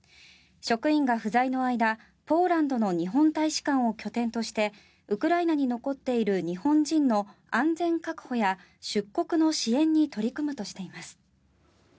職員が不在の間、ポーランドの日本大使館を拠点としてウクライナに残っている日本人の安全確保や出国の支援に取り組むとしています。